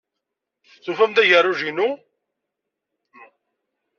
Tufam-d agerruj-nni?